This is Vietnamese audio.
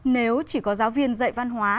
nếu chỉ có giáo viên dạy văn hóa